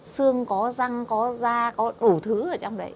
xương có răng có da có đủ thứ ở trong đấy